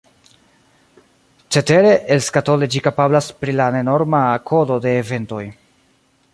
Cetere, elskatole ĝi kapablas pri la nenorma kodo de Eventoj.